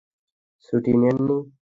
ছুটি নেন নি।